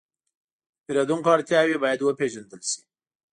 د پیرودونکو اړتیاوې باید وپېژندل شي.